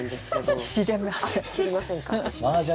あっ知りませんか。